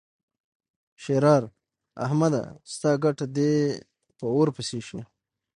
ښېرار: احمده! ستا ګټه دې په اور پسې شي.